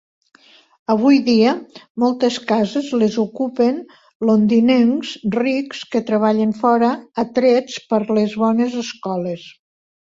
Avui dia, moltes cases les ocupen Londinencs rics que treballen fora, atrets per les bones escoles.